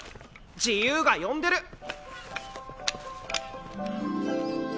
自由が呼んでる！